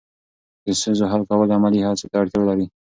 د ستونزو حل کول عملي هڅو ته اړتیا لري.